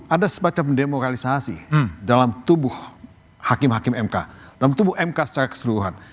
ada semacam demoralisasi dalam tubuh hakim hakim mk dalam tubuh mk secara keseluruhan